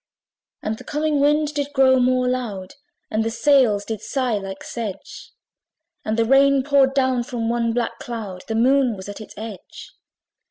And the coming wind did roar more loud, And the sails did sigh like sedge; And the rain poured down from one black cloud; The Moon was at its edge.